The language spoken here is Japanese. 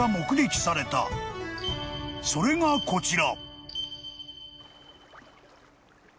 ［それがこちら］